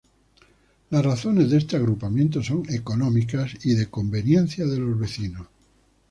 Las razones de este agrupamiento son económicas y de conveniencia de los vecinos.